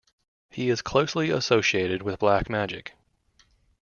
He is closely associated with black magic.